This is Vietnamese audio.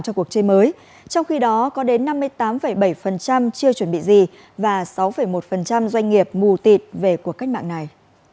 trong khi đó có đến năm mươi tám bảy chưa chuẩn bị gì và sáu một doanh nghiệp mù tịt về cuộc cách mạng này